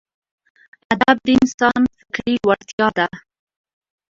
ادب د انسان فکري لوړتیا ده.